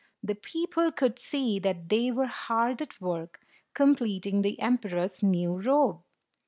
The people could see that they were hard at work, completing the emperor's new robe.